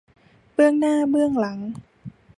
เบื้องหน้าเบื้องหลัง